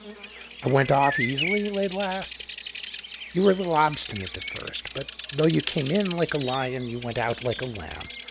"I went off easily?" Laidlaw asked. "You were a little obstinate at first. But though you came in like a lion, you went out like a lamb.